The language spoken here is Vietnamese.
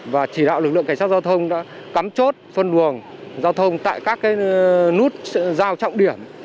và chỉ đạo lực lượng cảnh sát giao thông đã cắm chốt phân luồng giao thông tại các nút giao trọng điểm